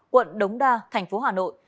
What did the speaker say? quận đống đa thành phố hà nội